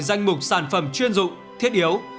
danh mục sản phẩm chuyên dụng thiết yếu